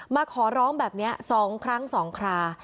มาขอร้องแบบนี้๒ครั้ง๒ครา